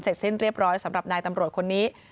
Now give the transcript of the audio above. เสร็จสิ้นเรียบร้อยสำหรับนายตำรวจคนนี้